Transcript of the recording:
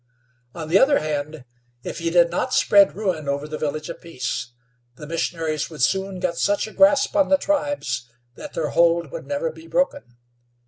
On the other hand, if he did not spread ruin over the Village of Peace, the missionaries would soon get such a grasp on the tribes that their hold would never be broken.